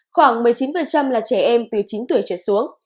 khoảng một mươi chín là trẻ em từ chín tuổi trở xuống